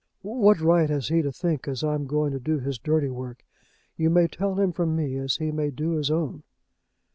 "What right has he to think as I'm going to do his dirty work? You may tell him from me as he may do his own."